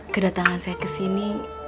kedatangan saya kesini